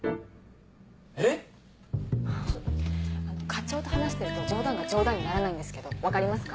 えっ⁉課長と話してると冗談が冗談にならないんですけど分かりますか？